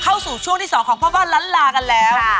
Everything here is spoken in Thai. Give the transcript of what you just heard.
เข้าสู่ช่วงที่๒ของพ่อบ้านล้านลากันแล้ว